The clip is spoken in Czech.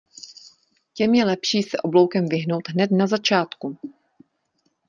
Těm je lepší se obloukem vyhnout hned na začátku.